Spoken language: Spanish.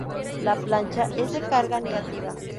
La plancha, es de carga negativa.